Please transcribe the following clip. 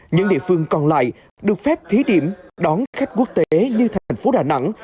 những địa phương còn lại được phép thí điểm đón khách quốc tế như thành phố đà nẵng